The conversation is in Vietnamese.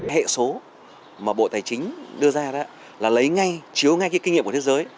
hệ số mà bộ tài chính đưa ra đó là lấy ngay chiếu ngay cái kinh nghiệm của thế giới